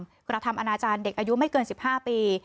ตามคุณธรรมอาณาจารย์เด็กอายุไม่เกิน๑๕ปี